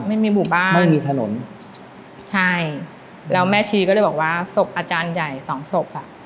ไม่มีหมู่บ้านไม่มีถนนใช่แล้วแม่ชีก็เลยบอกว่าศพอาจารย์ใหญ่สองศพอ่ะ